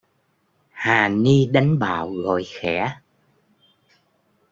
Hà ni đánh bạo gọi khẽ